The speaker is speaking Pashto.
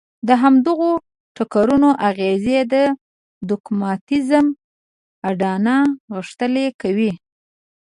د همدغو ټکرونو اغېزې د دوګماتېزم اډانه غښتلې کوي.